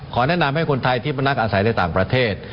แนะนำให้คนไทยที่มานักอาศัยในต่างประเทศ